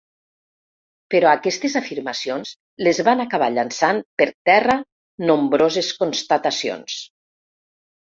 Però aquestes afirmacions les van acabar llançant per terra nombroses constatacions.